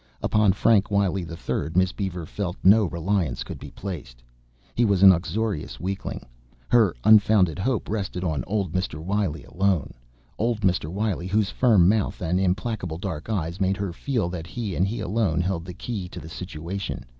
Upon Frank Wiley III Miss Beaver felt no reliance could be placed; he was an uxorious weakling. Her unfounded hope rested on old Mr. Wiley alone; old Mr. Wiley whose firm mouth and implacable dark eyes made her feel that he, and he alone, held the key to the situation.